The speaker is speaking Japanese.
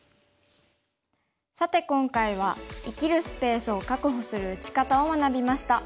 さて今回は生きるスペースを確保する打ち方を学びました。